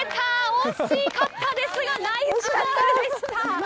惜しかったですが、ナイスゴールでした。